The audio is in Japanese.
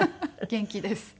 元気です。